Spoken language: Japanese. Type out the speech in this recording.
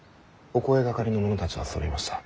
お声がかりの者たちはそろいました。